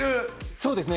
そうですね。